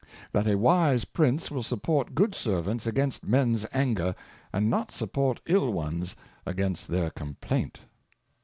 That a wise Prince will support good Servants against Mens Anger, and not support ill ones against their Comp laint